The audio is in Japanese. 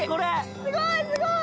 すごいすごい！